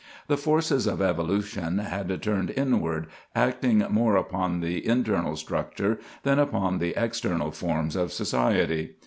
The forces of evolution had turned inward, acting more upon the internal structure than upon the external forms of society.